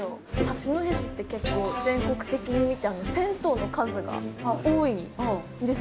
八戸市って結構全国的に見て銭湯の数が多いんですよ。